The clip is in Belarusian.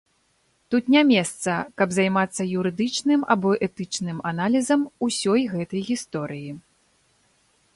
Тут не месца, каб займацца юрыдычным або этычным аналізам усёй гэтай гісторыі.